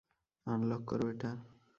Unlock কর এটা!